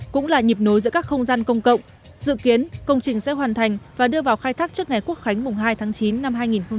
cũng là nhịp nối giữa các không gian công cộng dự kiến công trình sẽ hoàn thành và đưa vào khai thác trước ngày quốc khánh mùng hai tháng chín năm hai nghìn hai mươi